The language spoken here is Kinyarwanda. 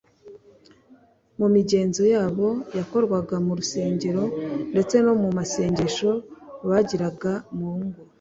mu migenzo yabo yakorwaga mu rusengero ndetse no mu masengesho bagiraga mu ngo.